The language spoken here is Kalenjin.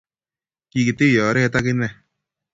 kikituye ore ak inne.